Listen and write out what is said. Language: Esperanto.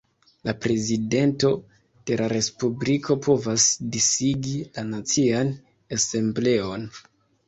La Prezidento de la Respubliko povas disigi la Nacian Asembleon.